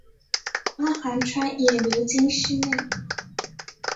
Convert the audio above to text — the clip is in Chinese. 阿寒川也流经市内。